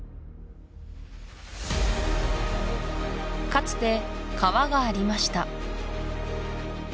かつて川がありました